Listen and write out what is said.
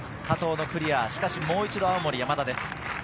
加藤のクリア、しかしもう一度青森山田です。